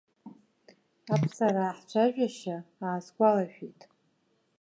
Аԥсараа ҳцәажәашьа аасгәалашәеит.